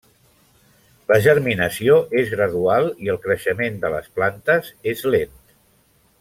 La germinació és gradual i el creixement de les plantes és lent.